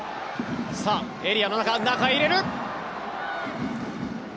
エリアの中、中へ入れる。